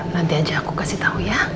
nanti aja aku kasih tau ya